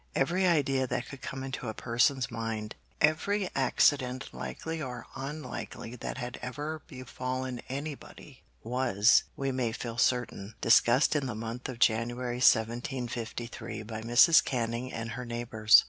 Every idea that could come into a person's mind every accident likely or unlikely that had ever befallen anybody was, we may feel certain, discussed in the month of January 1753 by Mrs. Canning and her neighbours.